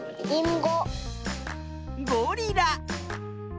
ゴリラ。